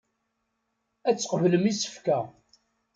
Ad tqeblem isefka.